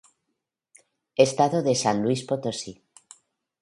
Estado de San Luis Potosí.